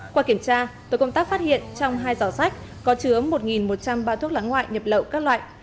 qua kiểm tra tổ công tác phát hiện trong hai giỏ sách có chứa một một trăm linh bao thuốc lá ngoại nhập lậu các loại